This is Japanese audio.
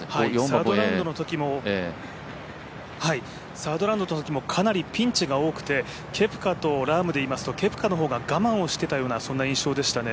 サードラウンドのときもかなりピンチが多くてケプカとラームでいいますとケプカの方が我慢をしていたような印象でしたね。